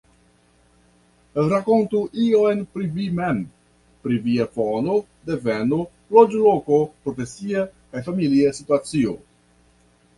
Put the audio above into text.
Rakontu iom pri vi mem pri via fono, deveno, loĝloko, profesia kaj familia situacio.